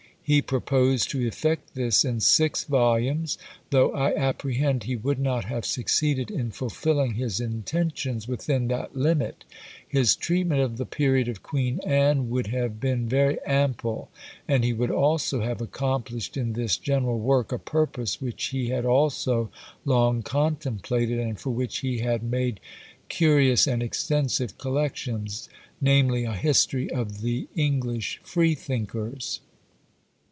He proposed to effect this in six volumes; though, I apprehend, he would not have succeeded in fulfilling his intentions within that limit. His treatment of the period of Queen Anne would have been very ample, and he would also have accomplished in this general work a purpose which he had also long contemplated, and for which he had made curious and extensive collections, namely, a History of the English Freethinkers.